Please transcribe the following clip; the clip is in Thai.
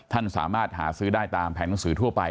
ท่านสามารถหาซื้อได้ตามแผนหนังสือทั่วไป